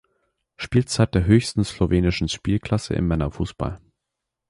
Spielzeit der höchsten slowenischen Spielklasse im Männerfußball.